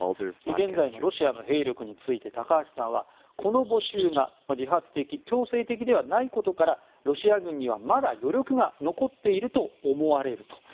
現在のロシアの兵力について高橋さんはこの募集が自発的で強制的ではないことからロシア軍には、まだ余力が残っていると思われると。